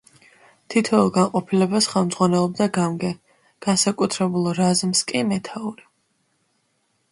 თითოეულ განყოფილებას ხელმძღვანელობდა გამგე, განსაკუთრებულ რაზმს კი მეთაური.